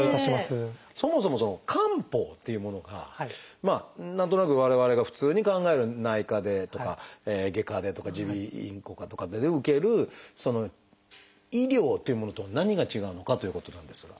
そもそもその漢方っていうものが何となく我々が普通に考える内科でとか外科でとか耳鼻咽喉科とかで受ける医療というものとは何が違うのかということなんですが。